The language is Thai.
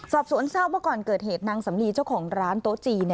สอบสวนทราบว่าก่อนเกิดเหตุนางสำลีเจ้าของร้านโต๊ะจีน